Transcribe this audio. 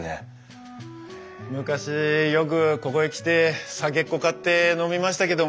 昔よくここへ来て酒っこ買って飲みましたけども。